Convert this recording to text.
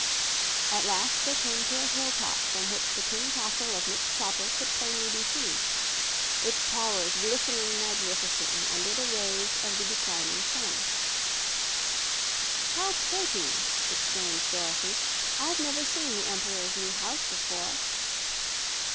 At last they came to a hilltop from which the tin castle of Nick Chopper could plainly be seen, its towers glistening magnificently under the rays of the declining sun. "How pretty!" exclaimed Dorothy. "I've never seen the Emp'ror's new house before."